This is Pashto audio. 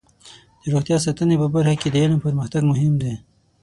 د روغتیا ساتنې په برخه کې د علم پرمختګ مهم دی.